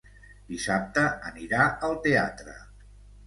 Dissabte anirà al teatre.